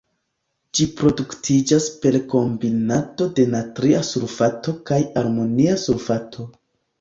Ĝi produktiĝas per kombinado de natria sulfato kaj aluminia sulfato.